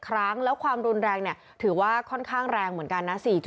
ครั้งแล้วความรุนแรงถือว่าค่อนข้างแรงเหมือนกันนะ